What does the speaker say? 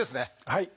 はい。